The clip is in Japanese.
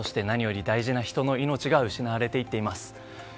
何より大事な人の命が失われていっています。